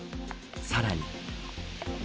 さらに。